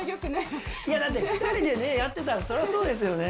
いやだって２人でやってたらそりゃそうですよね。